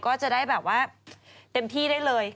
มูลค่า๑๖๐๐บาทก็จะได้แบบว่าเต็มที่ได้เลย